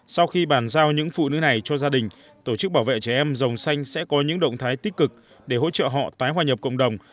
sau khi bàn giao những phụ nữ này cho gia đình tổ chức bảo vệ trẻ em dòng xanh sẽ có những động thái tích cực để hỗ trợ họ tái hòa nhập cộng đồng